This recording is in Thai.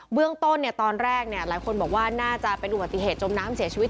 เรื่องต้นตอนแรกหลายคนบอกว่าน่าจะเป็นอุบัติเหตุจมน้ำเสียชีวิต